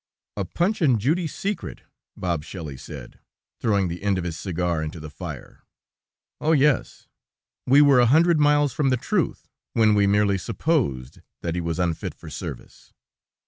"A Punch and Judy secret," Bob Shelley said, throwing the end of his cigar into the fire. "Oh! yes; we were a hundred miles from the truth when we merely supposed that he was unfit for service.